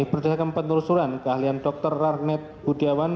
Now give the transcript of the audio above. berdasarkan penerusan keahlian dokter rarnet budiawan